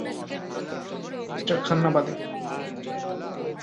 Mister Khanna বাদে!